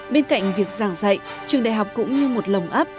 bên cạnh việc giảng dạy trường đại học cũng như một lồng ấp